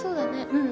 うん。